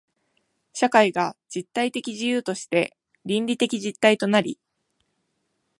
社会が実体的自由として倫理的実体となり、